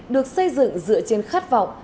được xây dựng dựa trên khát vọng